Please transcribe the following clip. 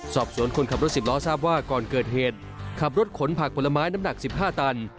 สอบสวนคนขับรถสิบล้อทราบว่าก่อนเกิดเหตุขับรถขนผักผลไม้น้ำหนัก๑๕ตัน